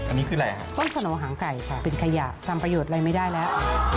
อันนี้คืออะไรฮะต้นสโนหางไก่ค่ะเป็นขยะทำประโยชน์อะไรไม่ได้แล้ว